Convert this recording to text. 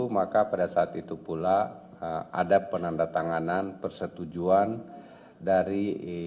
maka pada saat itu pula ada penandatanganan persetujuan dari